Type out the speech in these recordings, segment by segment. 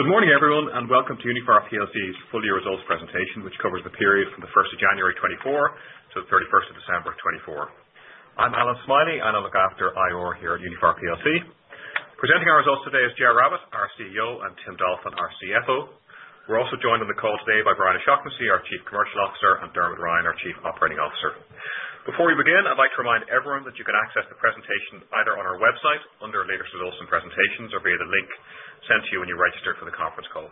Good morning, everyone, and welcome to Uniphar Plc's full-year results presentation, which covers the period from the 1st of January 2024 to the 31st of December 2024. I'm Allan Smylie, and I look after IR here at Uniphar Plc. Presenting our results today is Ger Rabbette, our CEO, and Tim Dolphin, our CFO. We're also joined on the call today by Brian O'Shaughnessy, our Chief Commercial Officer, and Dermot Ryan, our Chief Operating Officer. Before we begin, I'd like to remind everyone that you can access the presentation either on our website under Latest Results and Presentations or via the link sent to you when you registered for the conference call.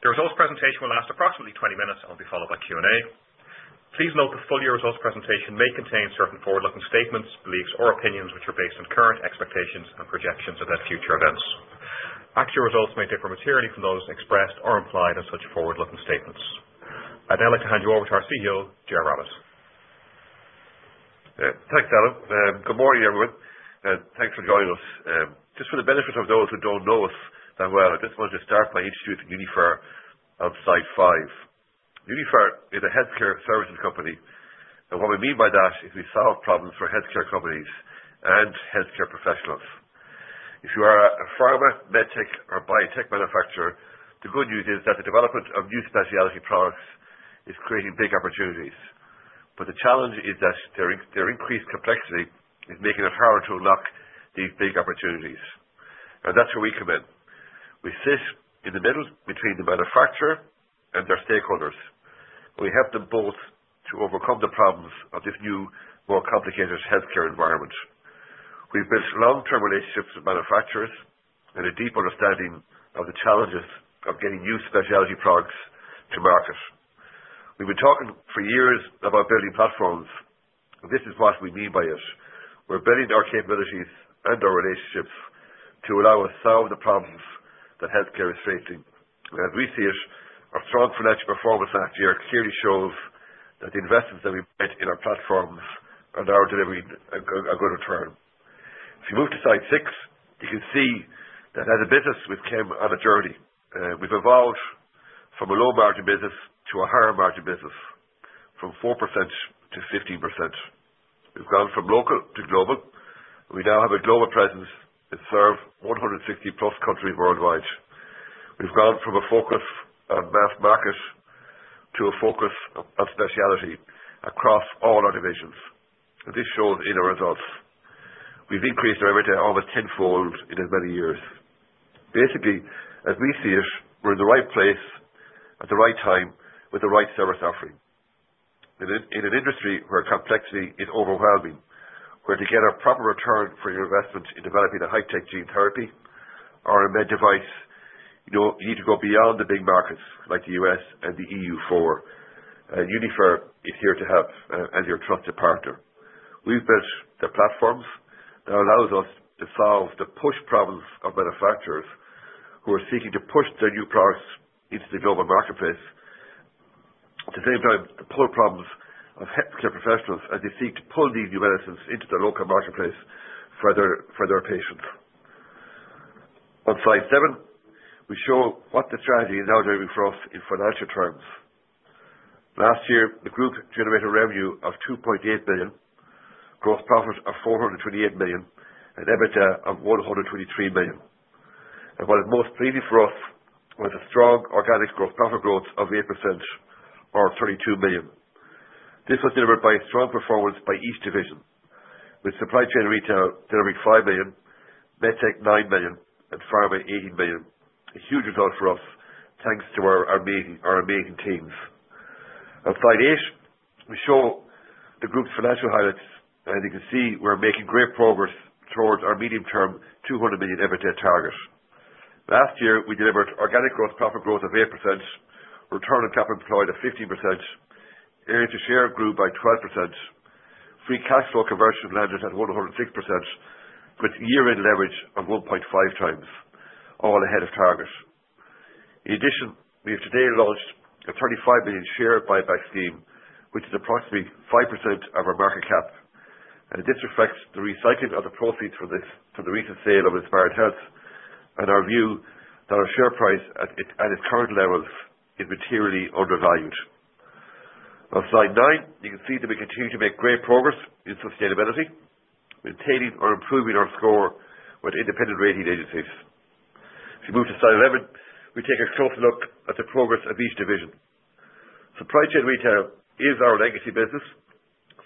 The results presentation will last approximately 20 minutes and will be followed by Q&A. Please note the full-year results presentation may contain certain forward-looking statements, beliefs, or opinions which are based on current expectations and projections of future events. Actual results may differ materially from those expressed or implied in such forward-looking statements. I'd now like to hand you over to our CEO, Ger Rabbette. Thanks, Allan. Good morning, everyone. Thanks for joining us. Just for the benefit of those who don't know us that well, I just want to start by introducing Uniphar on slide five. Uniphar is a healthcare services company, and what we mean by that is we solve problems for healthcare companies and healthcare professionals. If you are a pharma, MedTech, or biotech manufacturer, the good news is that the development of new specialty products is creating big opportunities. But the challenge is that their increased complexity is making it harder to unlock these big opportunities. And that's where we come in. We sit in the middle between the manufacturer and their stakeholders. We help them both to overcome the problems of this new, more complicated healthcare environment. We've built long-term relationships with manufacturers and a deep understanding of the challenges of getting new specialty products to market. We've been talking for years about building platforms, and this is what we mean by it. We're building our capabilities and our relationships to allow us to solve the problems that healthcare is facing. And as we see it, our strong financial performance last year clearly shows that the investments that we've made in our platforms are now delivering a good return. If you move to slide six, you can see that as a business, we've come on a journey. We've evolved from a low-margin business to a higher-margin business, from 4% to 15%. We've gone from local to global. We now have a global presence and serve 160+ countries worldwide. We've gone from a focus on mass market to a focus on specialty across all our divisions. And this shows in our results. We've increased our return almost tenfold in as many years. Basically, as we see it, we're in the right place at the right time with the right service offering. In an industry where complexity is overwhelming, where to get a proper return for your investment in developing a high-tech gene therapy or a med device, you need to go beyond the big markets like the U.S. and the E.U., for Uniphar is here to help as your trusted partner. We've built the platforms that allow us to solve the push problems of manufacturers who are seeking to push their new products into the global marketplace. At the same time, the pull problems of healthcare professionals as they seek to pull these new medicines into the local marketplace for their patients. On slide seven, we show what the strategy is now doing for us in financial terms. Last year, the group generated revenue of 2.8 million, gross profit of 428 million, and EBITDA of 123 million. And what is most pleasing for us was a strong organic gross profit growth of 8% or 32 million. This was delivered by strong performance by each division, with Supply Chain & Retail delivering 5 million, MedTech 9 million, and Pharma 18 million. A huge result for us thanks to our amazing teams. On slide eight, we show the group's financial highlights, and you can see we're making great progress towards our medium-term 200 million EBITDA target. Last year, we delivered organic gross profit growth of 8%, return on capital employed of 15%, earnings per share grew by 12%, free cash flow conversion landed at 106%, with year-end leverage of 1.5x, all ahead of target. In addition, we have today launched a 35 million share buyback scheme, which is approximately 5% of our market cap. This reflects the recycling of the proceeds from the recent sale of Inspired Health, and our view that our share price at its current levels is materially undervalued. On slide nine, you can see that we continue to make great progress in sustainability, maintaining or improving our score with independent rating agencies. If you move to slide eleven, we take a closer look at the progress of each division. Supply chain retail is our legacy business,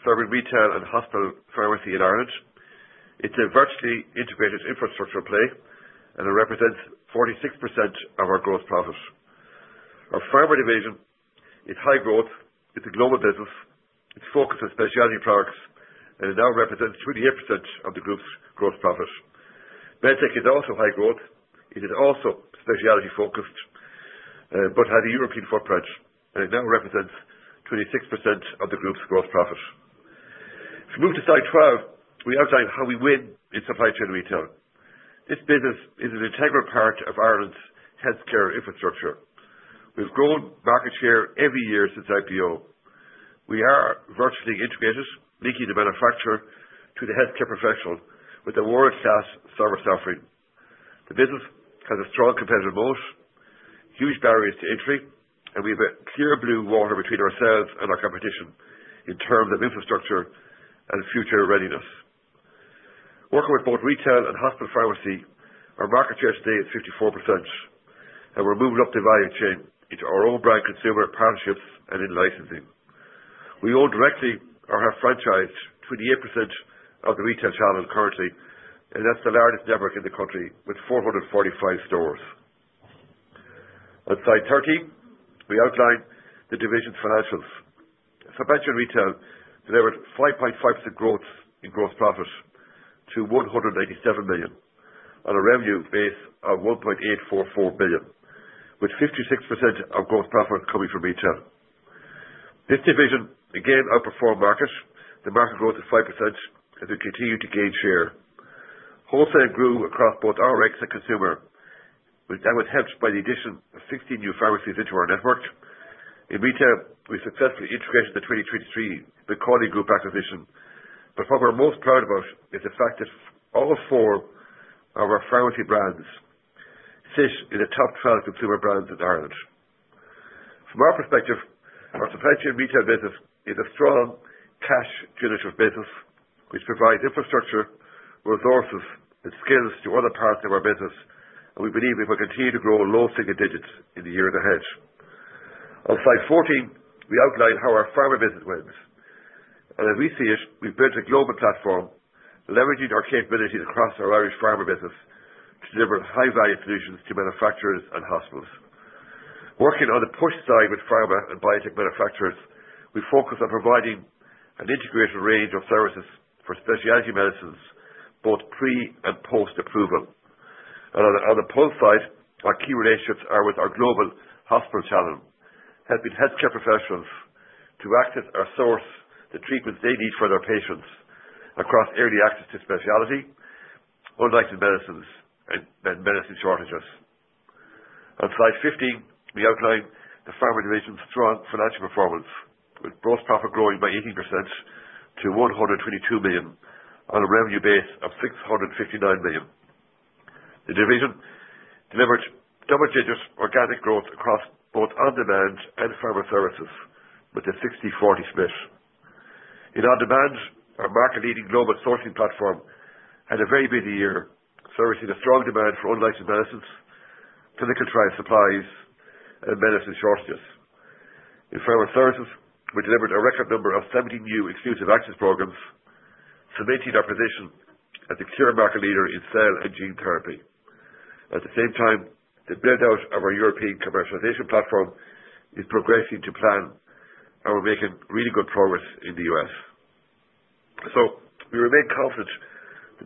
serving Retail and Hospital pharmacy in Ireland. It's a vertically integrated infrastructure play and represents 46% of our gross profits. Our Pharma division is high growth. It's a global business. It's focused on specialty products and now represents 28% of the group's gross profits. MedTech is also high growth. It is also specialty-focused but has a European footprint and now represents 26% of the group's gross profits. If you move to slide 12, we outline how we win in supply chain retail. This business is an integral part of Ireland's healthcare infrastructure. We've grown market share every year since IPO. We are vertically integrated, linking the manufacturer to the healthcare professional with world-class service offering. The business has a strong competitive moat, huge barriers to entry, and we have clear blue water between ourselves and our competition in terms of infrastructure and future readiness. Working with both Retail and Hospital pharmacy, our market share today is 54%, and we're moving up the value chain into our own brand consumer partnerships and in licensing. We own directly or have franchised 28% of the retail channel currently, and that's the largest network in the country with 445 stores. On slide 13, we outline the division's financials. Supply Chain & Retail delivered 5.5% growth in gross profit to 187 million on a revenue base of 1.844 billion, with 56% of gross profit coming from retail. This division again outperformed market. The market growth is 5%, and we continue to gain share. Wholesale grew across both Rx and consumer, and was helped by the addition of 16 new pharmacies into our network. In retail, we successfully integrated the 2023 McCauley Pharmacy Group acquisition. But what we're most proud about is the fact that all four of our pharmacy brands sit in the top 12 consumer brands in Ireland. From our perspective, our Supply Chain & Retail business is a strong cash generative business, which provides infrastructure, resources, and skills to other parts of our business, and we believe we will continue to grow low single digits in the years ahead. On slide 14, we outline how our Pharma business wins. And as we see it, we've built a global platform, leveraging our capabilities across our Irish Pharma business to deliver high-value solutions to manufacturers and hospitals. Working on the push side with Pharma and Biotech manufacturers, we focus on providing an integrated range of services for specialty medicines, both pre and post-approval. And on the pull side, our key relationships are with our global hospital channel. Helping healthcare professionals to access or source the treatments they need for their patients across early access to specialty, unlicensed medicines, and medicine shortages. On slide 15, we outline the Pharma division's strong financial performance, with gross profit growing by 18% to 122 million on a revenue base of 659 million. The division delivered double-digit organic growth across both on-demand and pharma services with a 60/40 split. In On-Demand, our market-leading global sourcing platform had a very busy year, servicing a strong demand for unlicensed medicines, clinical trial supplies, and medicine shortages. In Pharma Services, we delivered a record number of 70 new exclusive access programs, cementing our position as a clear market leader in Cell and Gene therapy. At the same time, the build-out of our European commercialization platform is progressing to plan, and we're making really good progress in the U.S. So we remain confident that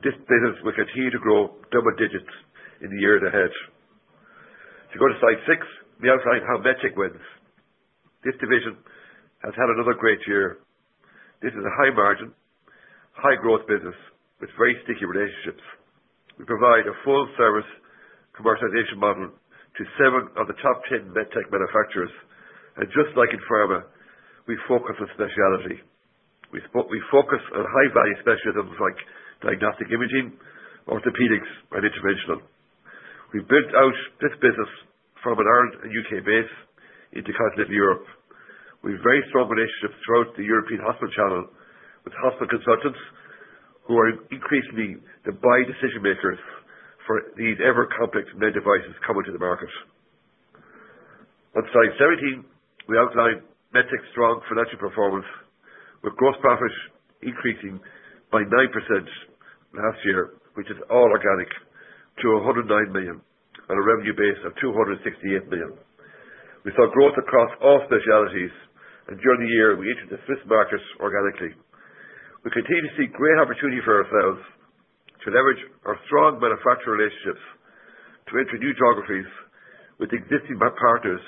this business will continue to grow double digits in the years ahead. To go to slide six, we outline how MedTech wins. This division has had another great year. This is a high-margin, high-growth business with very sticky relationships. We provide a full-service commercialization model to seven of the top 10 MedTech manufacturers, and just like in Pharma, we focus on specialty. We focus on high-value specialties like diagnostic imaging, orthopedics, and interventional. We've built out this business from an Ireland and U.K. base into continental Europe. We have very strong relationships throughout the European hospital channel with hospital consultants who are increasingly the buy decision-makers for these ever-complex med devices coming to the market. On slide 17, we outline MedTech's strong financial performance, with gross profit increasing by 9% last year, which is all organic, to 109 million on a revenue base of 268 million. We saw growth across all specialties, and during the year, we entered the fifth market organically. We continue to see great opportunity for ourselves to leverage our strong manufacturer relationships to enter new geographies with existing partners,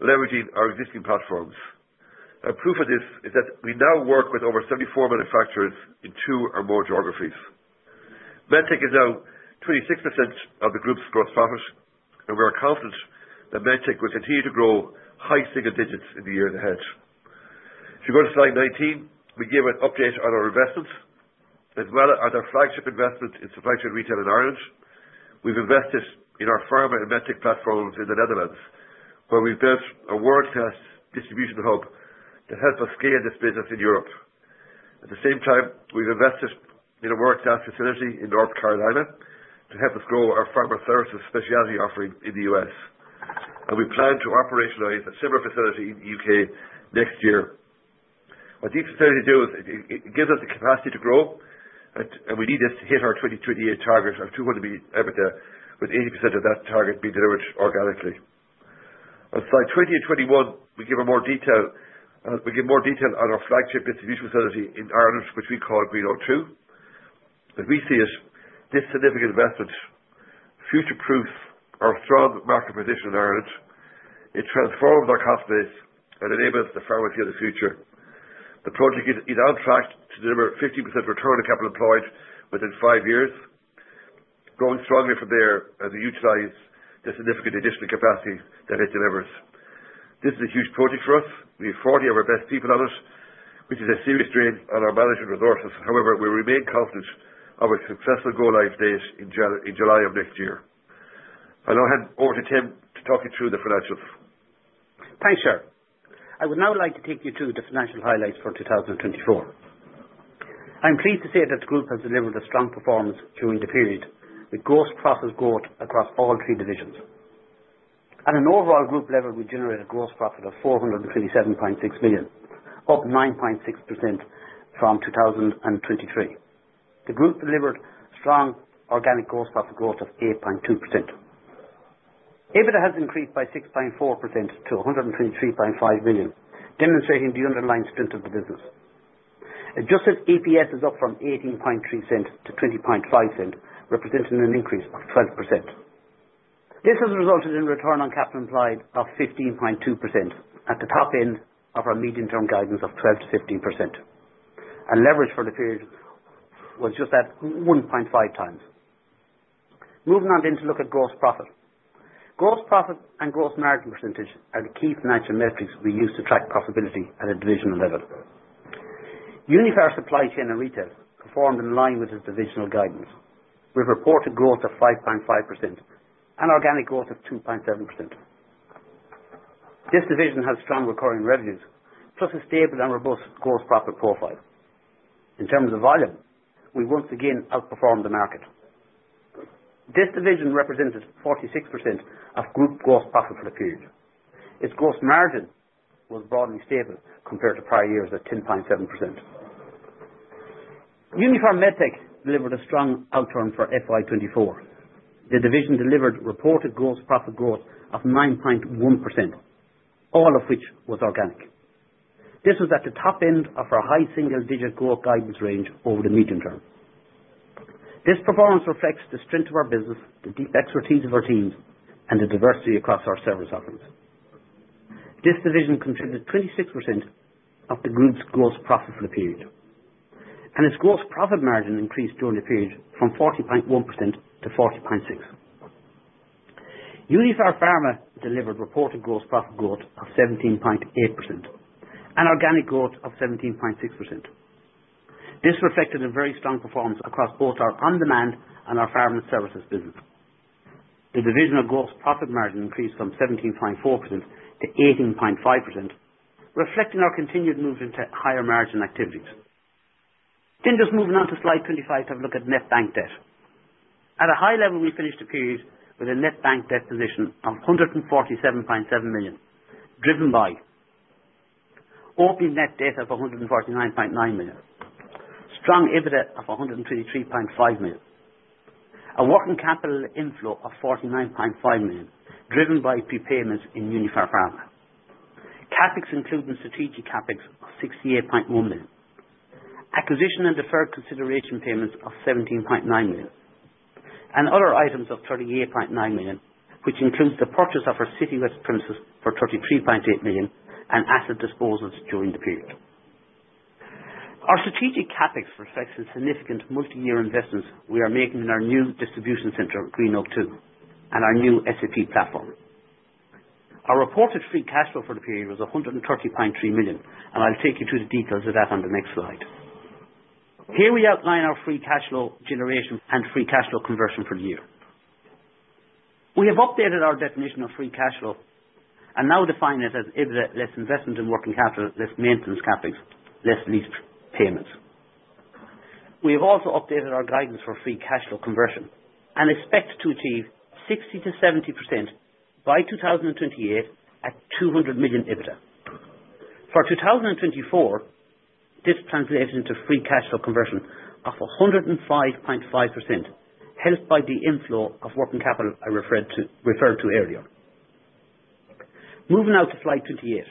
leveraging our existing platforms, and proof of this is that we now work with over 74 manufacturers in two or more geographies. MedTech is now 26% of the group's gross profit, and we're confident that MedTech will continue to grow high single digits in the years ahead. If you go to slide 19, we give an update on our investments, as well as our flagship investments in Supply Chain & Retail in Ireland. We've invested in our Pharma and MedTech platforms in the Netherlands, where we've built a world-class distribution hub to help us scale this business in Europe. At the same time, we've invested in a world-class facility in North Carolina to help us grow our Pharma Services specialty offering in the U.S. And we plan to operationalize a similar facility in the U.K. next year. What these facilities do is it gives us the capacity to grow, and we need this to hit our 2028 target of 200 million EBITDA, with 80% of that target being delivered organically. On slide 20 and 21, we give more detail on our flagship distribution facility in Ireland, which we call Greenogue 2. As we see it, this significant investment future-proofs our strong market position in Ireland. It transforms our customers and enables the pharmacy of the future. The project is on track to deliver 50% return on capital employed within five years, growing strongly from there as we utilize the significant additional capacity that it delivers. This is a huge project for us. We have 40 of our best people on it, which is a serious drain on our management resources. However, we remain confident of a successful go-live date in July of next year. I'll now hand over to Tim to talk you through the financials. Thanks, Ger. I would now like to take you through the financial highlights for 2024. I'm pleased to say that the group has delivered a strong performance during the period with gross profit growth across all three divisions. At an overall group level, we generated a gross profit of 427.6 million, up 9.6% from 2023. The group delivered strong organic gross profit growth of 8.2%. EBITDA has increased by 6.4% to 123.5 million, demonstrating the underlying strength of the business. Adjusted EPS is up from 0.183 to 0.205, representing an increase of 12%. This has resulted in a return on capital employed of 15.2% at the top end of our medium-term guidance of 12%-15%. Leverage for the period was just at 1.5x. Moving on then to look at gross profit. Gross profit and gross margin percentage are the key financial metrics we use to track profitability at a divisional level. Uniphar Supply Chain & Retail performed in line with this divisional guidance, with reported growth of 5.5% and organic growth of 2.7%. This division has strong recurring revenues, plus a stable and robust gross profit profile. In terms of volume, we once again outperformed the market. This division represented 46% of group gross profit for the period. Its gross margin was broadly stable compared to prior years at 10.7%. Uniphar MedTech delivered a strong outcome for FY 2024. The division delivered reported gross profit growth of 9.1%, all of which was organic. This was at the top end of our high single-digit growth guidance range over the medium-term. This performance reflects the strength of our business, the deep expertise of our teams, and the diversity across our service offerings. This division contributed 26% of the group's gross profit for the period, and its gross profit margin increased during the period from 40.1% to 40.6%. Uniphar delivered reported gross profit growth of 17.8% and organic growth of 17.6%. This reflected a very strong performance across both our on-demand and our Pharma Services business. The divisional gross profit margin increased from 17.4% to 18.5%, reflecting our continued move into higher margin activities. Then just moving on to slide 25 to have a look at net bank debt. At a high level, we finished the period with a net bank debt position of 147.7 million, driven by opening net debt of 149.9 million, strong EBITDA of 123.5 million, a working capital inflow of 49.5 million, driven by prepayments in Uniphar. CapEx included strategic CapEx of 68.1 million, acquisition and deferred consideration payments of 17.9 million, and other items of 38.9 million, which includes the purchase of our Citywest premises for 23.8 million and asset disposals during the period. Our strategic CapEx reflects the significant multi-year investments we are making in our new distribution center, Greenogue 2 and our new SAP platform. Our reported free cash flow for the period was 130.3 million, and I'll take you through the details of that on the next slide. Here we outline our free cash flow generation and free cash flow conversion for the year. We have updated our definition of free cash flow and now define it as EBITDA less investment in working capital, less maintenance CapEx, less lease payments. We have also updated our guidance for free cash flow conversion and expect to achieve 60%-70% by 2028 at 200 million EBITDA. For 2024, this translates into free cash flow conversion of 105.5%, helped by the inflow of working capital I referred to earlier. Moving now to slide 28.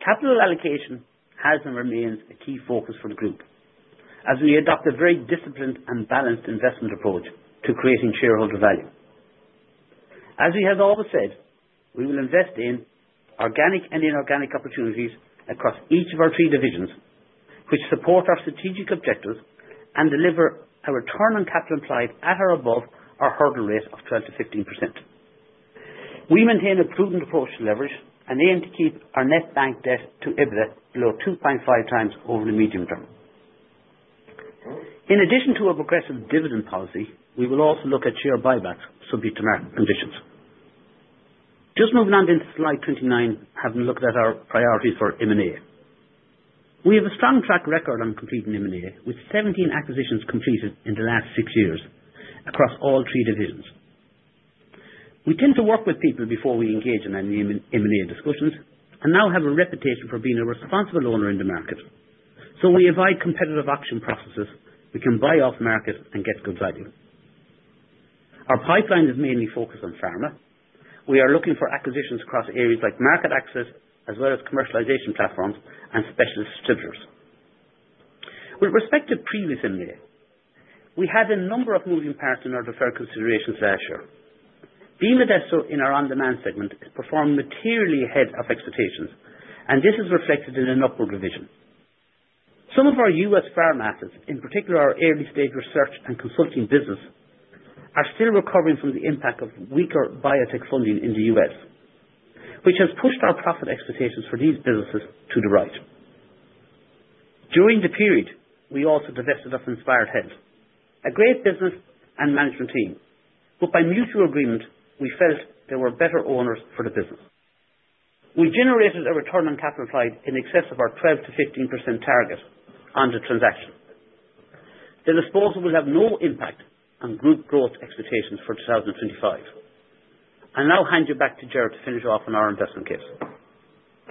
Capital allocation has and remains a key focus for the group as we adopt a very disciplined and balanced investment approach to creating shareholder value. As we have always said, we will invest in organic and inorganic opportunities across each of our three divisions, which support our strategic objectives and deliver a return on capital implied at or above our hurdle rate of 12%-15%. We maintain a prudent approach to leverage and aim to keep our net bank debt to EBITDA below 2.5x over the medium term. In addition to our progressive dividend policy, we will also look at share buybacks subject to market conditions. Just moving on then to slide 29, having looked at our priorities for M&A. We have a strong track record on completing M&A, with 17 acquisitions completed in the last six years across all three divisions. We tend to work with people before we engage in any M&A discussions and now have a reputation for being a responsible owner in the market. So we avoid competitive auction processes. We can buy off market and get good value. Our pipeline is mainly focused on Pharma. We are looking for acquisitions across areas like market access, as well as commercialization platforms and specialist distributors. With respect to previous M&A, we had a number of moving parts in our deferred considerations last year. BModesto in our on-demand segment is performing materially ahead of expectations, and this is reflected in an upward revision. Some of our U.S. pharma assets, in particular our early-stage research and consulting business, are still recovering from the impact of weaker biotech funding in the U.S., which has pushed our profit expectations for these businesses to the right. During the period, we also divested of Inspired Health, a great business and management team, but by mutual agreement, we felt they were better owners for the business. We generated a return on capital implied in excess of our 12%-15% target on the transaction. The disposal will have no impact on group growth expectations for 2025. I'll now hand you back to Ger to finish off on our investment case.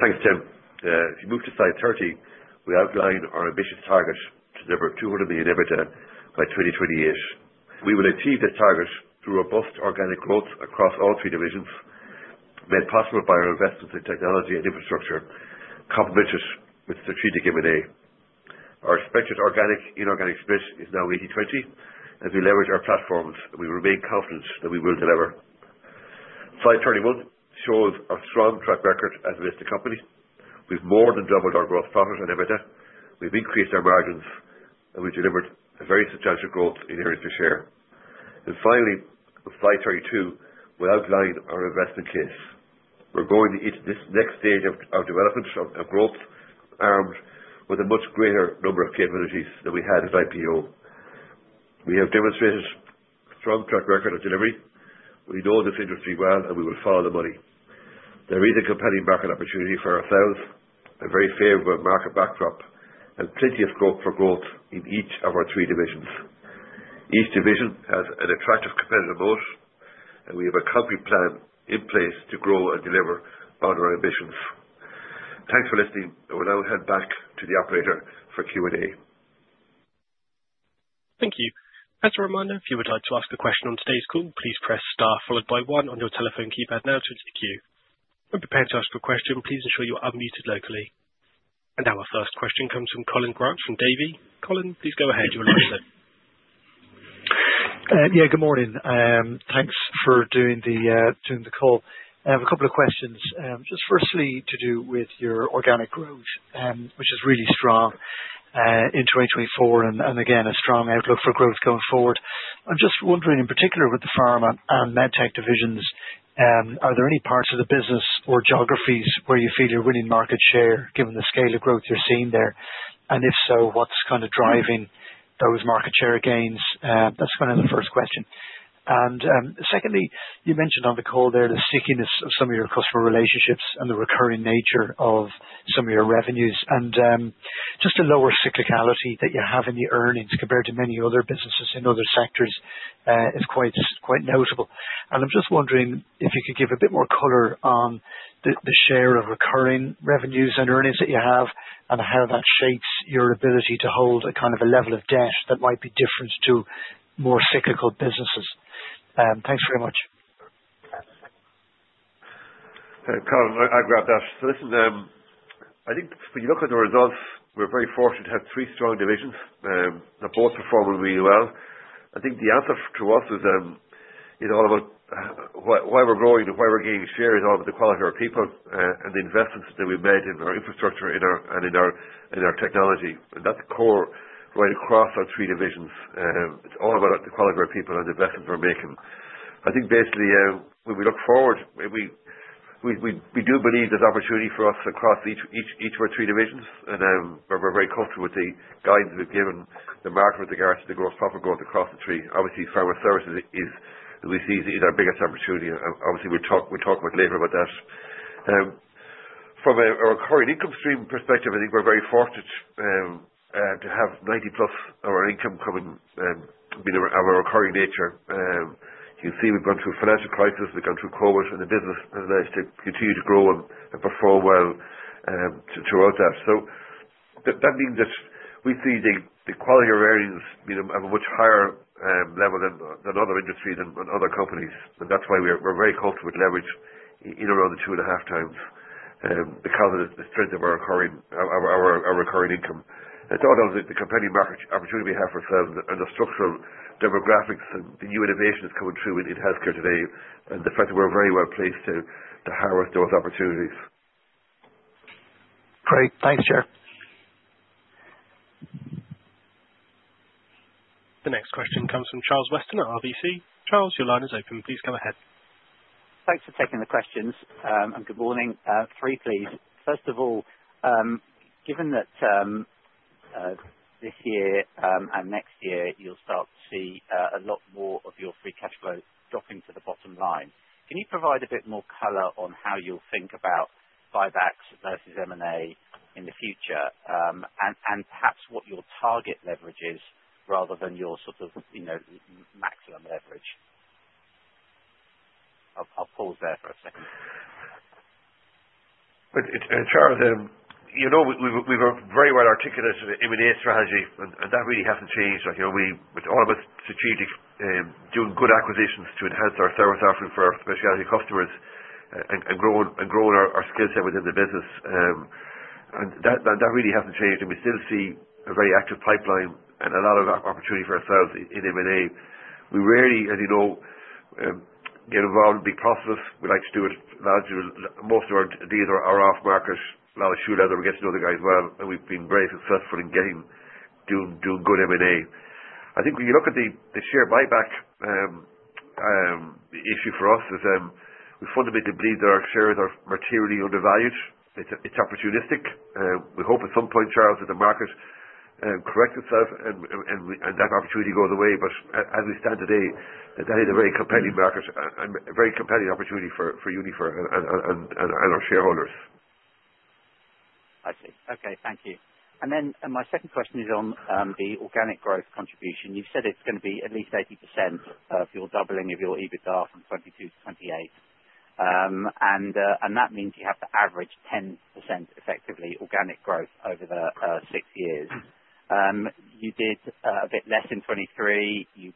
Thanks, Tim. If you move to slide 30, we outline our ambitious target to deliver 200 million EBITDA by 2028. We will achieve this target through robust organic growth across all three divisions, made possible by our investments in technology and infrastructure, complemented with strategic M&A. Our expected organic/inorganic split is now 80/20, and we leverage our platforms, and we remain confident that we will deliver. Slide 21 shows our strong track record as a listed company. We've more than doubled our gross profit and EBITDA. We've increased our margins, and we've delivered a very substantial growth in earnings per share. Finally, slide 32, we'll outline our investment case. We're going into this next stage of development of growth, armed with a much greater number of capabilities than we had at IPO. We have demonstrated a strong track record of delivery. We know this industry well, and we will follow the money. There is a compelling market opportunity for ourselves, a very favorable market backdrop, and plenty of scope for growth in each of our three divisions. Each division has an attractive competitive moat, and we have a concrete plan in place to grow and deliver on our ambitions. Thanks for listening. I will now hand back to the operator for Q&A. Thank you. As a reminder, if you would like to ask a question on today's call, please press star followed by one on your telephone keypad now to execute. When prepared to ask a question, please ensure you are unmuted locally, and our first question comes from Colin Grant from Davy. Colin, please go ahead. You're live now. Yeah, good morning. Thanks for doing the call. I have a couple of questions. Just firstly, to do with your organic growth, which is really strong in 2024, and again, a strong outlook for growth going forward. I'm just wondering, in particular, with the Pharma and MedTech divisions, are there any parts of the business or geographies where you feel you're winning market share given the scale of growth you're seeing there? And if so, what's kind of driving those market share gains? That's kind of the first question. And secondly, you mentioned on the call there the stickiness of some of your customer relationships and the recurring nature of some of your revenues. And just the lower cyclicality that you have in the earnings compared to many other businesses in other sectors is quite notable. I'm just wondering if you could give a bit more color on the share of recurring revenues and earnings that you have and how that shapes your ability to hold a kind of a level of debt that might be different to more cyclical businesses? Thanks very much. Colin, I'll grab that. So this is, I think, when you look at the results, we're very fortunate to have three strong divisions that both perform really well. I think the answer to us is all about why we're growing and why we're gaining share is all about the quality of our people and the investments that we've made in our infrastructure and in our technology. And that's core right across our three divisions. It's all about the quality of our people and the investments we're making. I think, basically, when we look forward, we do believe there's opportunity for us across each of our three divisions, and we're very comfortable with the guidance we've given. The market with regards to the gross profit growth across the three. Obviously, Pharma Services is, we see, is our biggest opportunity. Obviously, we're talking about labor about that. From a recurring income stream perspective, I think we're very fortunate to have 90-plus of our income coming being of a recurring nature. You can see we've gone through a financial crisis. We've gone through COVID, and the business has managed to continue to grow and perform well throughout that, so that means that we see the quality of earnings being of a much higher level than other industries and other companies, and that's why we're very comfortable with leverage in around the 2.5x because of the strength of our recurring income. It's all about the compelling market opportunity we have for ourselves and the structural demographics and the new innovations coming through in healthcare today and the fact that we're very well placed to harvest those opportunities. Great. Thanks, Ger. The next question comes from Charles Weston at RBC. Charles, your line is open. Please go ahead. Thanks for taking the questions. And good morning. Three, please. First of all, given that this year and next year, you'll start to see a lot more of your free cash flow dropping to the bottom line, can you provide a bit more color on how you'll think about buybacks versus M&A in the future and perhaps what your target leverage is rather than your sort of maximum leverage? I'll pause there for a second. But Charles, we were very well articulated in the M&A strategy, and that really hasn't changed. With all of us strategically doing good acquisitions to enhance our service offering for specialty customers and growing our skill set within the business, and that really hasn't changed. And we still see a very active pipeline and a lot of opportunity for ourselves in M&A. We rarely, as you know, get involved in big processes. We like to do it largely most of our deals are off-market, rather we get to know the guys well, and we've been very successful in doing good M&A. I think when you look at the share buyback issue for us, we fundamentally believe that our shares are materially undervalued. It's opportunistic. We hope at some point, Charles, that the market corrects itself and that opportunity goes away. But as we stand today, that is a very compelling market and a very compelling opportunity for Uniphar and our shareholders. I see. Okay. Thank you. And then my second question is on the organic growth contribution. You've said it's going to be at least 80% of your doubling of your EBITDA from 2022 to 2028. And that means you have to average 10% effectively organic growth over the six years. You did a bit less in 2023. You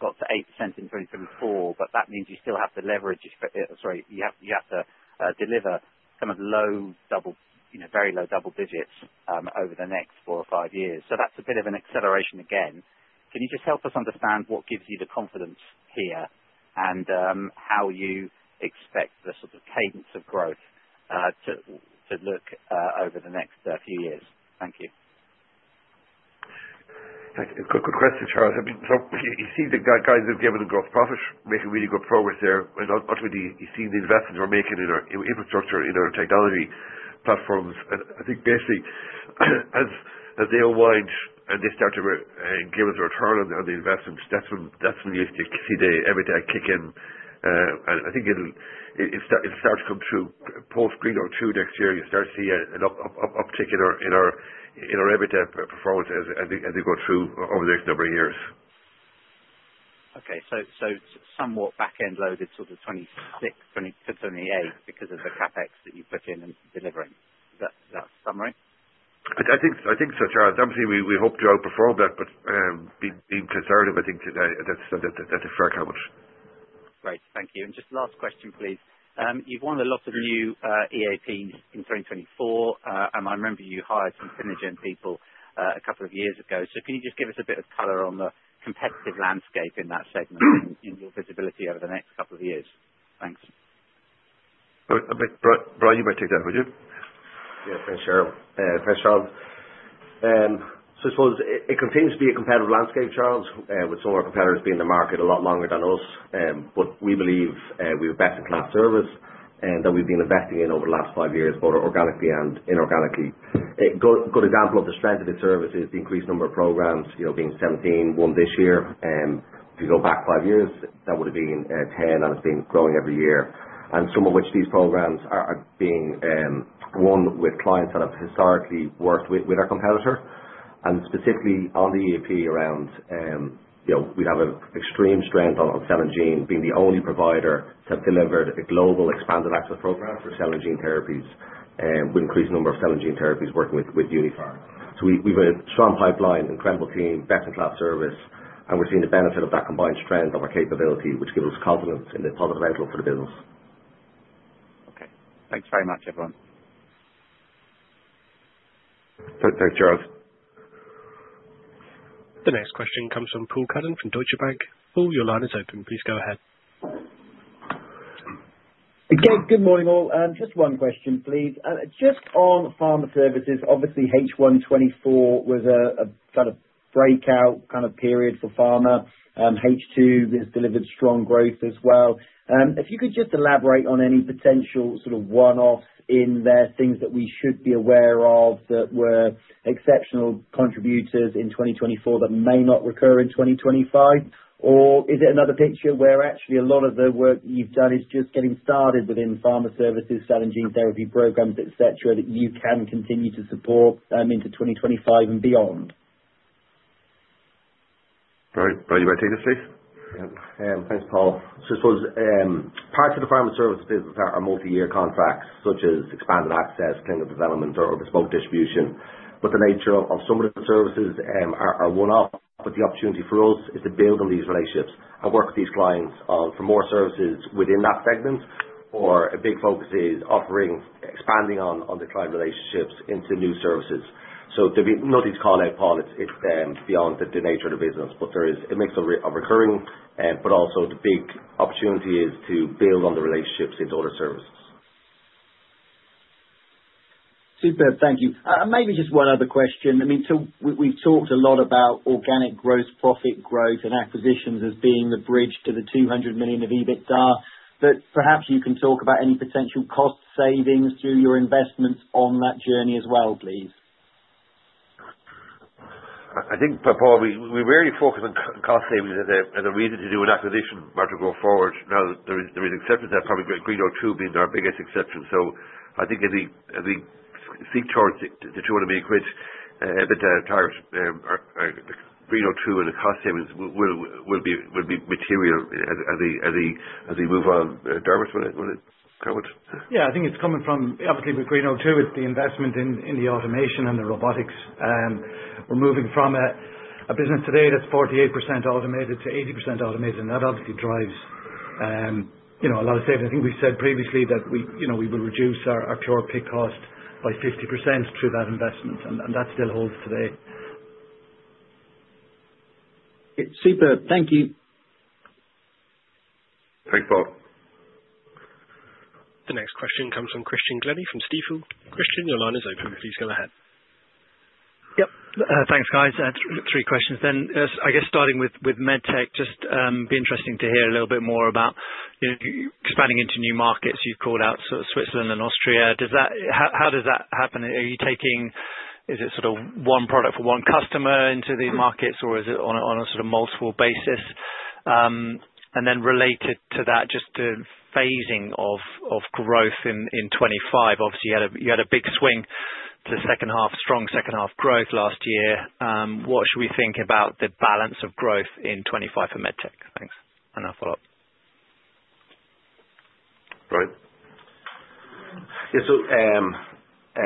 got to 8% in 2024, but that means you still have to leverage, sorry, you have to deliver kind of low double, very low double digits over the next four or five years. So that's a bit of an acceleration again. Can you just help us understand what gives you the confidence here and how you expect the sort of cadence of growth to look over the next few years? Thank you. Thank you. Good question, Charles So you see the guys that have given the gross profit making really good progress there. Not really seeing the investments we're making in our infrastructure, in our technology platforms. I think, basically, as they wind and they start to give us a return on the investments, that's when you see the EBITDA kick in. And I think it'll start to come through post Greenogue 2 next year. You start to see an uptick in our EBITDA performance as we go through over the next number of years. Okay. So somewhat back-end loaded sort of 2026 to 2028 because of the CapEx that you put in and delivering. Is that a summary? I think so, Charles. That means we hope to outperform that, but being conservative, I think that's a fair comment. Great. Thank you. And just last question, please. You've won a lot of new EAPs in 2024, and I remember you hired some Clinigen people a couple of years ago. So can you just give us a bit of color on the competitive landscape in that segment and your visibility over the next couple of years? Thanks. Brian, you might take that, would you? Yeah. Thanks, Ger. So I suppose it continues to be a competitive landscape, Charles, with some of our competitors being in the market a lot longer than us. But we believe we have best-in-class service that we've been investing in over the last five years, both organically and inorganically. A good example of the strength of the service is the increased number of programs, being 17, won this year. If you go back five years, that would have been 10, and it's been growing every year. And some of these programs are being won with clients that have historically worked with our competitor. And specifically on the EAP area, we have an extreme Cell and Gene being the only provider that delivered a global expanded access Cell and Gene therapies with an increased Cell and Gene therapies working with Uniphar. So we've got a strong pipeline, incredible team, best-in-class service, and we're seeing the benefit of that combined strength of our capability, which gives us confidence in the positive outlook for the business. Okay. Thanks very much, everyone. Thanks, Charles. The next question comes from Paul Cuddon from Deutsche Bank. Paul, your line is open. Please go ahead. Okay. Good morning, all. Just one question, please. Just on Pharma Services, obviously, H124 was a kind of breakout kind of period for Pharma. H2 has delivered strong growth as well. If you could just elaborate on any potential sort of one-offs in there, things that we should be aware of that were exceptional contributors in 2024 that may not recur in 2025? Or is it another picture where actually a lot of the work you've done is just getting started within Cell and Gene therapy programs, etc., that you can continue to support into 2025 and beyond? Brian, you might take this, please. Thanks, Paul, so I suppose parts of the Pharma Services are multi-year contracts such as expanded access, clinical development, or bespoke distribution, but the nature of some of the services are one-off, but the opportunity for us is to build on these relationships and work with these clients for more services within that segment, or a big focus is offering, expanding on the client relationships into new services, so there'll be no need to call out, Paul, it's beyond the nature of the business, but it makes a recurring, but also, the big opportunity is to build on the relationships into other services. Super. Thank you. Maybe just one other question. I mean, so we've talked a lot about organic growth, profit growth, and acquisitions as being the bridge to the 200 million of EBITDA. But perhaps you can talk about any potential cost savings through your investments on that journey as well, please. I think, Paul, we really focus on cost savings as a reason to do an acquisition as we go forward. Now, there is exceptions. There are probably Greenogue 2 being our biggest exception. So I think as we seek towards the 200 million EBITDA target, Greenogue 2 and the cost savings will be material as we move on. Dermot, want to comment? Yeah. I think it's coming from, obviously, with Greenogue 2, with the investment in the automation and the robotics, we're moving from a business today that's 48% automated to 80% automated. And that obviously drives a lot of savings. I think we said previously that we will reduce our per pick cost by 50% through that investment, and that still holds today. Super. Thank you. Thanks, Paul. The next question comes from Christian Glennie from Stifel. Christian, your line is open. Please go ahead. Yep. Thanks, guys. Three questions then. I guess starting with MedTech, just be interesting to hear a little bit more about expanding into new markets. You've called out Switzerland and Austria. How does that happen? Are you taking, is it sort of one product for one customer into the markets, or is it on a sort of multiple basis? And then related to that, just the phasing of growth in 2025. Obviously, you had a big swing to strong second-half growth last year. What should we think about the balance of growth in 2025 for MedTech? Thanks. And I'll follow up. Brian. Yeah. So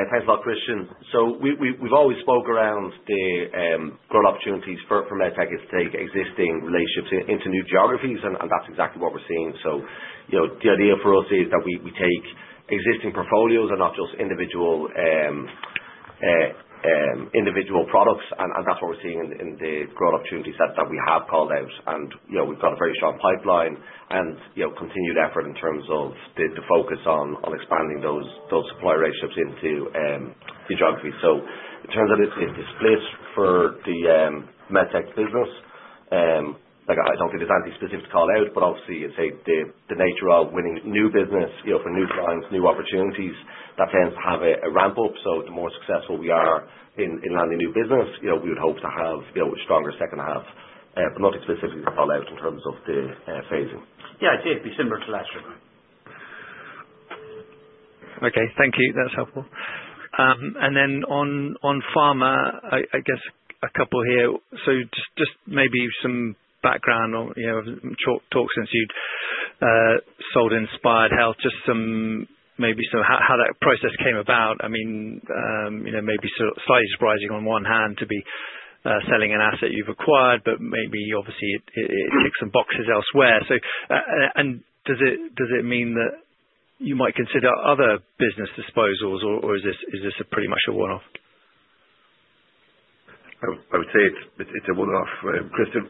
thanks a lot, Christian. So we've always spoke around the growth opportunities for MedTech is to take existing relationships into new geographies, and that's exactly what we're seeing. So the idea for us is that we take existing portfolios and not just individual products. And that's what we're seeing in the growth opportunities that we have called out. And we've got a very strong pipeline and continued effort in terms of the focus on expanding those supply relationships into the geographies. So in terms of its phasing for the MedTech business, I don't think it's anything specific to call out, but obviously, the nature of winning new business for new clients, new opportunities, that tends to have a ramp-up. So the more successful we are in landing new business, we would hope to have a stronger second half. But not specifically to call out in terms of the phasing. Yeah. It'd be similar to that. Okay. Thank you. That's helpful. And then on Pharma, I guess a couple here. So just maybe some background or talks since you'd sold Inspired Health, just maybe how that process came about. I mean, maybe slightly surprising on one hand to be selling an asset you've acquired, but maybe obviously it ticks some boxes elsewhere. And does it mean that you might consider other business disposals, or is this pretty much a one-off? I would say it's a one-off, Christian.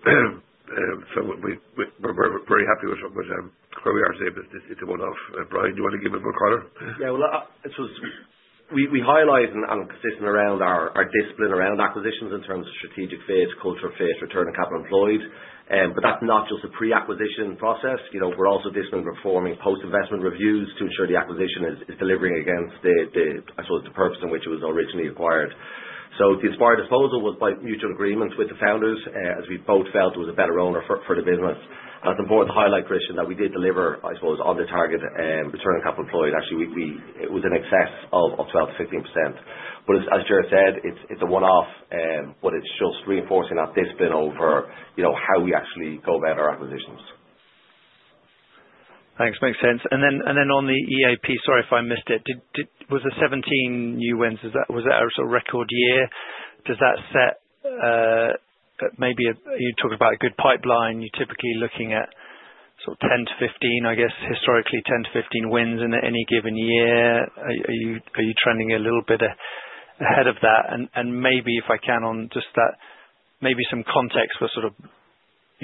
So we're very happy with where we are today, but it's a one-off. Brian, do you want to give it more color? Yeah. Well, we highlight and are consistent around our discipline around acquisitions in terms of strategic fit, culture fit, Return on Capital Employed. But that's not just a pre-acquisition process. We're also disciplined in performing post-investment reviews to ensure the acquisition is delivering against, I suppose, the purpose in which it was originally acquired. So the Inspired disposal was by mutual agreement with the founders as we both felt it was a better owner for the business. And it's important to highlight, Christian, that we did deliver, I suppose, on the target Return on Capital Employed. Actually, it was in excess of 12%-15%. But as Ger said, it's a one-off, but it's just reinforcing that discipline over how we actually go about our acquisitions. Thanks. Makes sense. And then on the EAP, sorry if I missed it, was the 2017 new wins a sort of record year? Does that set maybe you talked about a good pipeline. You're typically looking at sort of 10-15, I guess, historically 10, 15 wins in any given year. Are you trending a little bit ahead of that? And maybe, if I can, on just that, maybe some context for sort of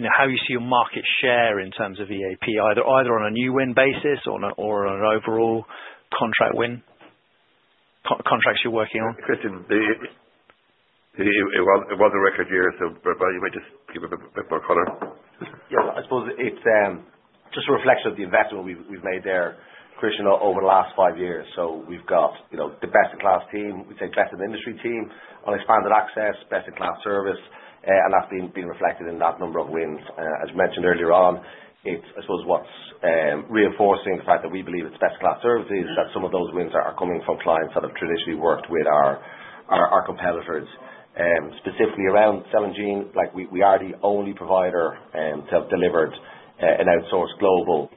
how you see your market share in terms of EAP, either on a new win basis or on an overall contract win contracts you're working on? Christian, it was a record year, so Brian, you might just give it a bit more color. Yeah. I suppose it's just a reflection of the investment we've made there, Christian, over the last five years. So we've got the best-in-class team, we take best-in-industry team on expanded access, best-in-class service. And that's been reflected in that number of wins. As mentioned earlier on, I suppose what's reinforcing the fact that we believe it's best-in-class services is that some of those wins are coming from clients that have traditionally worked with our competitors. Cell and Gene, we are the only provider to have delivered an outsourced global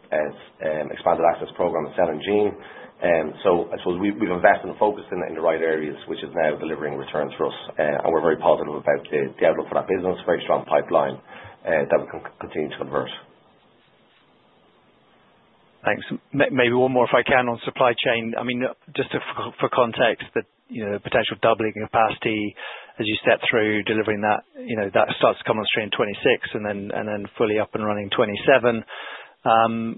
expanded access Cell and Gene. so i suppose we've invested and focused in the right areas, which is now delivering returns for us. And we're very positive about the outlook for that business, very strong pipeline that we can continue to convert. Thanks. Maybe one more if I can on supply chain. I mean, just for context, the potential doubling capacity as you step through delivering that starts to come on stream 2026 and then fully up and running 2027.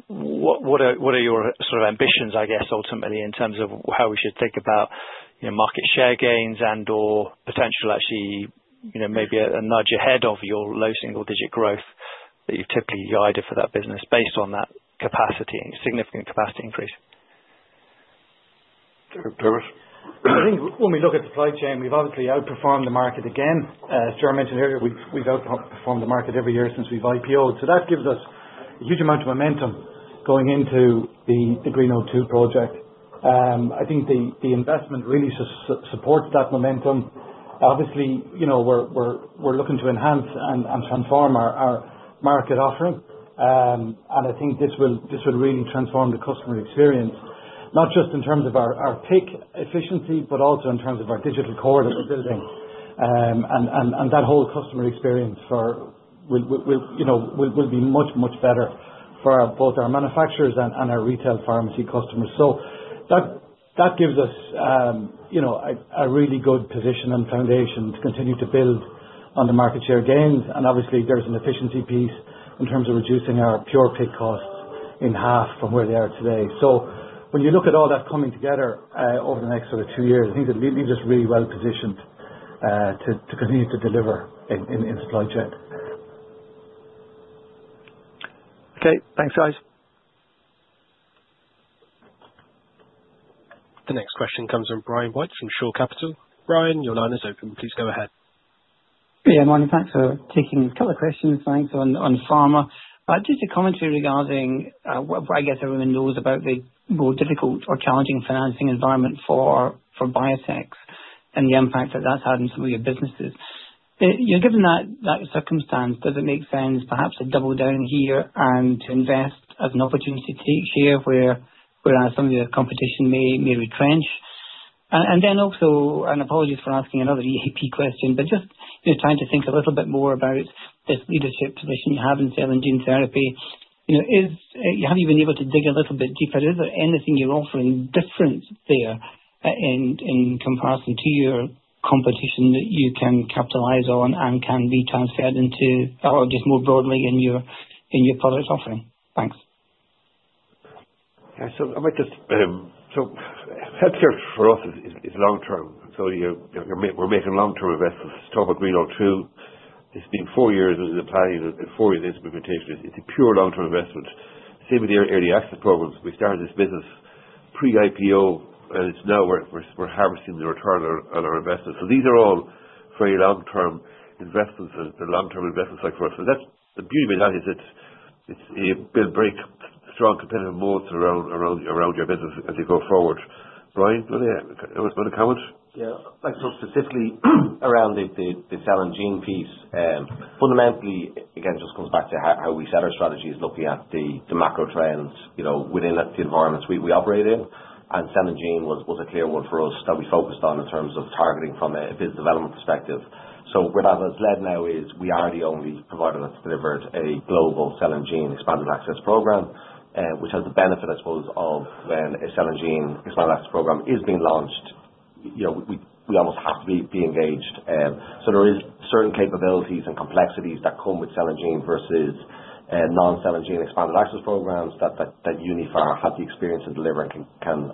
What are your sort of ambitions, I guess, ultimately in terms of how we should think about market share gains and/or potential, actually, maybe a nudge ahead of your low single-digit growth that you've typically guided for that business based on that capacity and significant capacity increase? Dermot? I think when we look at supply chain, we've obviously outperformed the market again. As Ger mentioned earlier, we've outperformed the market every year since we've IPO'd. That gives us a huge amount of momentum going into the Greenogue 2 project. I think the investment really supports that momentum. We're looking to enhance and transform our market offering. I think this will really transform the customer experience, not just in terms of our pick efficiency, but also in terms of our digital core that we're building. That whole customer experience will be much, much better for both our manufacturers and our retail pharmacy customers. That gives us a really good position and foundation to continue to build on the market share gains. There's an efficiency piece in terms of reducing our per pick costs in half from where they are today. So when you look at all that coming together over the next sort of two years, I think it leaves us really well positioned to continue to deliver in supply chain. Okay. Thanks, guys. The next question comes from Brian White from Shore Capital. Brian, your line is open. Please go ahead. Yeah. Morning. Thanks for taking a couple of questions. Thanks. On Pharma, just a commentary regarding, I guess, everyone knows about the more difficult or challenging financing environment for biotechs and the impact that that's had on some of your businesses. Given that circumstance, does it make sense perhaps to double down here and to invest as an opportunity to take share whereas some of your competition may retrench? And then also, and apologies for asking another EAP question, but just trying to think a little bit more about this leadership position you Cell and Gene therapy, have you been able to dig a little bit deeper? Is there anything you're offering different there in comparison to your competition that you can capitalize on and can be transferred into, or just more broadly in your product offering? Thanks. Yeah. So I might just so healthcare for us is long-term. So we're making long-term investments. Start with Greenogue 2. It's been four years in applying and four years in implementation. It's a pure long-term investment. Same with the Expanded Access Programs. We started this business pre-IPO, and it's now we're harvesting the return on our investment. So these are all very long-term investments, the long-term investment cycle. So that's the beauty of it. It builds strong competitive moats around your business as you go forward. Brian, do you want to comment? Yeah. I'd like to talk the Cell and Gene piece. Fundamentally, again, it just comes back to how we set our strategies, looking at the macro trends within the environments we Cell and Gene was a clear one for us that we focused on in terms of targeting from a business development perspective. Where that has led now is we are the only provider that's global Cell and Gene expanded access program, which has the benefit, I suppose, a Cell and Gene expanded access program is being launched, we almost have to be engaged. There are certain capabilities and complexities non-Cell and Gene expanded access programs that Uniphar has the experience of delivering can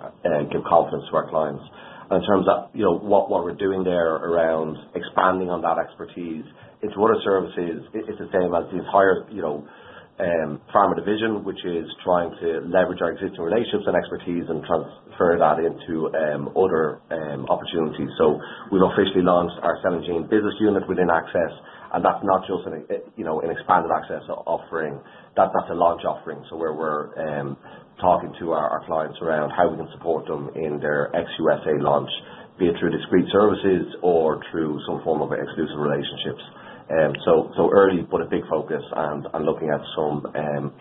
give confidence to our clients. In terms of what we're doing there around expanding on that expertise, it's what it services. It's the same as the entire pharma division, which is trying to leverage our existing relationships and expertise and transfer that into other opportunities. So we've officially Cell and Gene business unit within access, and that's not just an expanded access offering. That's a launch offering. So where we're talking to our clients around how we can support them in their ex-U.S. launch, be it through discrete services or through some form of exclusive relationships. So early, but a big focus and looking at some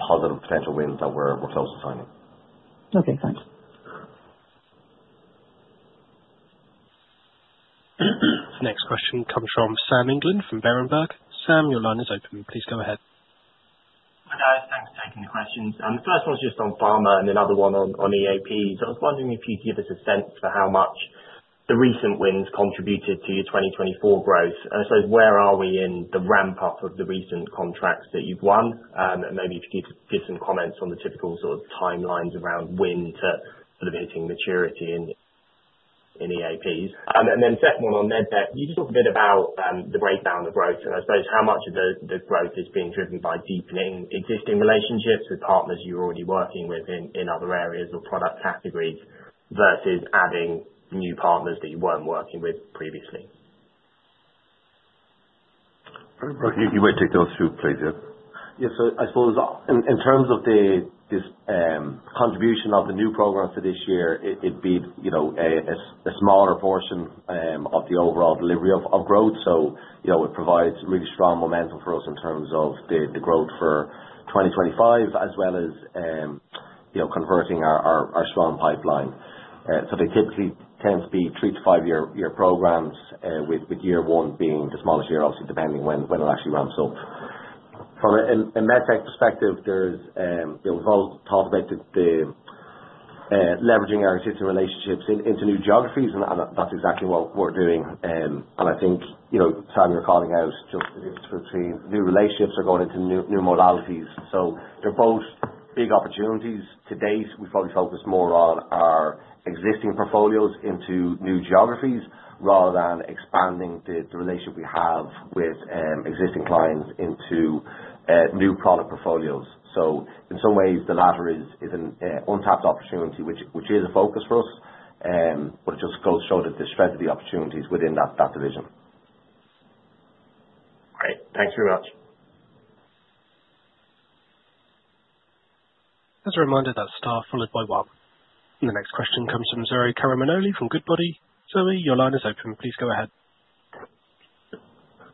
positive potential wins that we're close to signing. Okay. Thanks. Next question comes from Sam England from Berenberg. Sam, your line is open. Please go ahead. Hi, guys. Thanks for taking the questions. The first one's just on pharma and another one on EAP, so I was wondering if you'd give us a sense for how much the recent wins contributed to your 2024 growth and I suppose where are we in the ramp-up of the recent contracts that you've won and maybe if you could give some comments on the typical sort of timelines around wins sort of hitting maturity in EAPs and then second one on MedTech, can you just talk a bit about the breakdown of growth and I suppose how much of the growth is being driven by deepening existing relationships with partners you're already working with in other areas or product categories versus adding new partners that you weren't working with previously? You might take those two, please. Yeah. Yeah, so I suppose in terms of this contribution of the new programs for this year, it'd be a smaller portion of the overall delivery of growth, so it provides really strong momentum for us in terms of the growth for 2025 as well as converting our strong pipeline, so they typically tend to be three- to five-year programs, with year one being the smallest year, obviously, depending when it actually ramps up. From a MedTech perspective, we've all talked about leveraging our existing relationships into new geographies, and that's exactly what we're doing, and I think, Sam, you're calling out just between new relationships or going into new modalities, so they're both big opportunities. Today, we probably focus more on our existing portfolios into new geographies rather than expanding the relationship we have with existing clients into new product portfolios. So in some ways, the latter is an untapped opportunity, which is a focus for us, but it just goes short of the spread of the opportunities within that division. Great. Thanks very much. As a reminder, that's star followed by one. And the next question comes from Zoe Karamanoli from Goodbody. Zoe, your line is open. Please go ahead.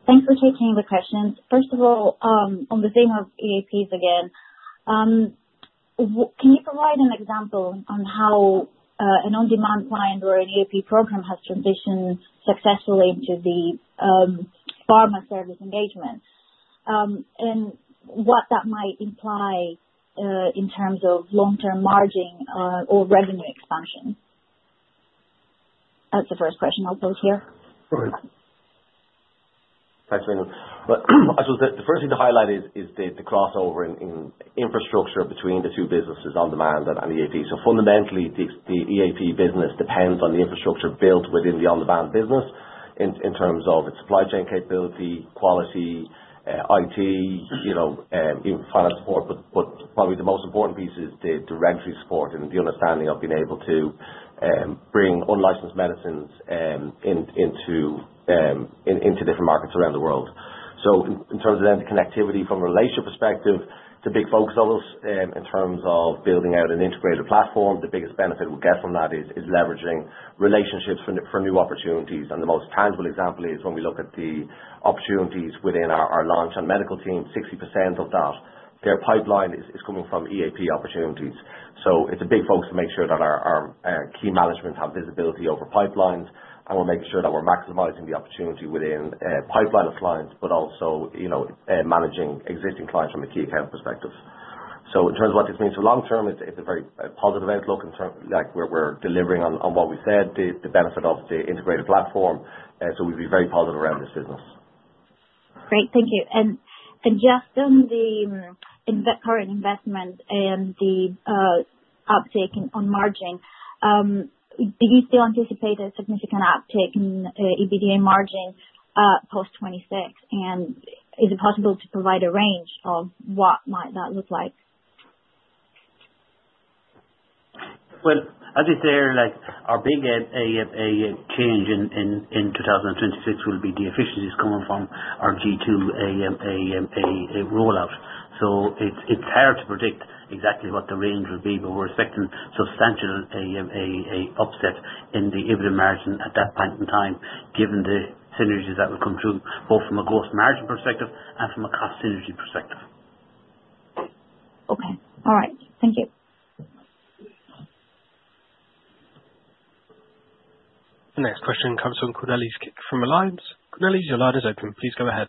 Thanks for taking the question. First of all, on the theme of EAPs again, can you provide an example on how an on-demand client or an EAP program has transitioned successfully into the Pharma Service engagement and what that might imply in terms of long-term margin or revenue expansion? That's the first question. I'll pose here. Perfect. Thanks, Zoe. I suppose the first thing to highlight is the crossover in infrastructure between the two businesses, on-demand and EAP. So fundamentally, the EAP business depends on the infrastructure built within the on-demand business in terms of its supply chain capability, quality, IT, even finance support. But probably the most important piece is the regulatory support and the understanding of being able to bring unlicensed medicines into different markets around the world. So in terms of then the connectivity from a relationship perspective, it's a big focus of us in terms of building out an integrated platform. The biggest benefit we get from that is leveraging relationships for new opportunities. And the most tangible example is when we look at the opportunities within our launch and medical team, 60% of that, their pipeline is coming from EAP opportunities. So it's a big focus to make sure that our key management have visibility over pipelines, and we're making sure that we're maximizing the opportunity within pipeline of clients, but also managing existing clients from a key account perspective. So in terms of what this means for long-term, it's a very positive outlook. We're delivering on what we said, the benefit of the integrated platform. So we'd be very positive around this business. Great. Thank you. Just on the current investment and the uptake on margin, do you still anticipate a significant uptake in EBITDA margin post 2026? Is it possible to provide a range of what might that look like? As you say, our big change in 2026 will be the efficiencies coming G2 rollout. So it's hard to predict exactly what the range will be, but we're expecting substantial margin uplift in the EBITDA margin at that point in time, given the synergies that will come through both from a gross margin perspective and from a cost synergy perspective. Okay. All right. Thank you. The next question comes from Cornelis from Alliance. Cornelis, your line is open. Please go ahead.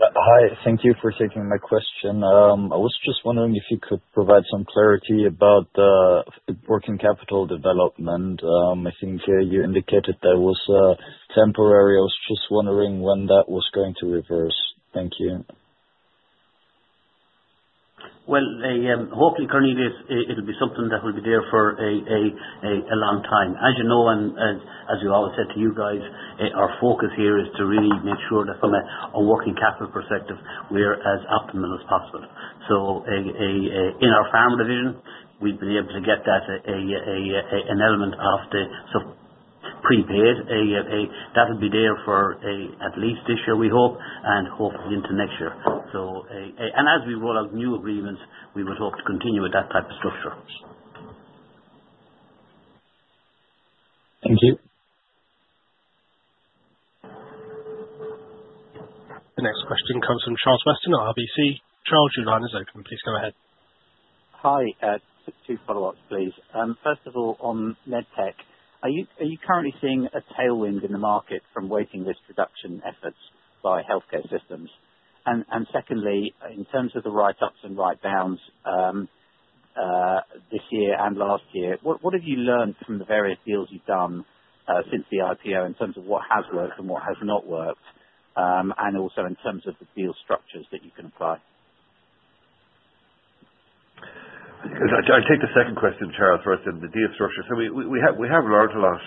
Hi. Thank you for taking my question. I was just wondering if you could provide some clarity about the working capital development. I think you indicated there was temporary. I was just wondering when that was going to reverse. Thank you. Hopefully, Cornelis, it'll be something that will be there for a long time. As you know, and as you all said to you guys, our focus here is to really make sure that from a working capital perspective, we're as optimal as possible. So in our Pharma Division, we've been able to get that an element of the prepaid. That'll be there for at least this year, we hope, and hopefully into next year. And as we roll out new agreements, we would hope to continue with that type of structure. Thank you. The next question comes from Charles Weston at RBC. Charles, your line is open. Please go ahead. Hi. Two follow-ups, please. First of all, on MedTech, are you currently seeing a tailwind in the market from waiting list reduction efforts by healthcare systems? And secondly, in terms of the write-ups and write-downs this year and last year, what have you learned from the various deals you've done since the IPO in terms of what has worked and what has not worked, and also in terms of the deal structures that you can apply? I'll take the second question, Charles, first, and the deal structure, so we have learned a lot,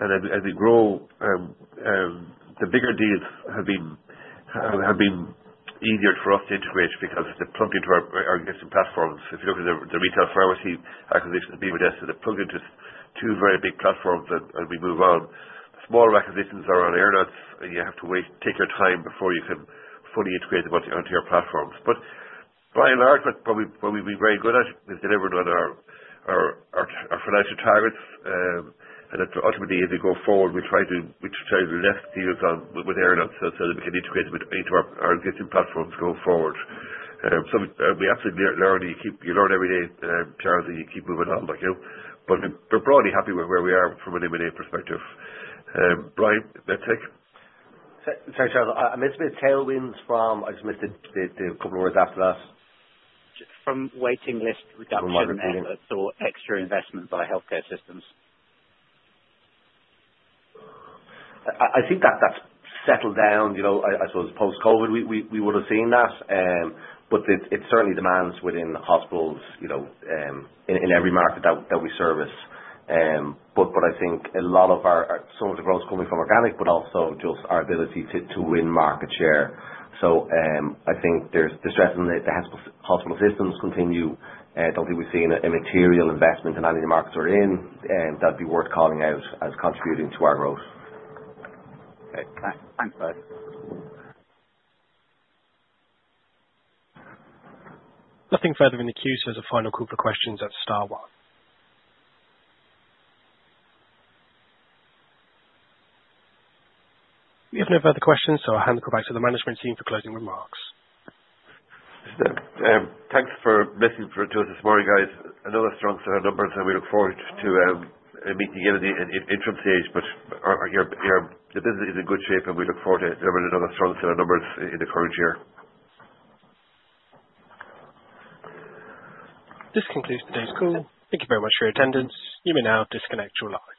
and as we grow, the bigger deals have been easier for us to integrate because they're plugged into our existing platforms. If you look at the retail pharmacy acquisition at BModesto, they're plugged into two very big platforms as we move on. Smaller acquisitions are on earn-out. You have to take your time before you can fully integrate them onto your platforms, but by and large, what we've been very good at is delivering on our financial targets, and ultimately, as we go forward, we try to lift deals with earn-out so that we can integrate them into our existing platforms going forward, so we absolutely learn. You learn every day, Charles, and you keep moving on, but we're broadly happy with where we are from an M&A perspective. Brian, MedTech? Sorry, Charles. I just missed the couple of words after that. From waiting list reduction efforts or extra investment by healthcare systems? I think that's settled down. I suppose post-COVID, we would have seen that. But it certainly demands within hospitals in every market that we service. But I think a lot of some of the growth coming from organic, but also just our ability to win market share. So I think the stress on the hospital systems continue. I don't think we've seen a material investment in any of the markets we're in that'd be worth calling out as contributing to our growth. Thanks, guys. Nothing further in the queue. So there's a final couple of questions at the star one. We have no further questions, so I'll hand the call back to the management team for closing remarks. Thanks for listening to us this morning, guys. Another strong sales numbers, and we look forward to meeting you in the interim stage. But the business is in good shape, and we look forward to delivering another strong sales numbers in the current year. This concludes today's call. Thank you very much for your attendance. You may now disconnect your lines.